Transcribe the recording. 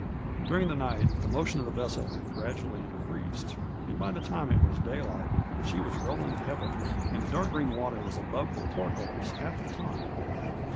During tbe nigbt tbe motion of tbe vessel bad gradually increased, and by tbe time it was dayligbt sbe was rolling beavily, and tbe dark green water was above tbe port boles balf tbe tinie.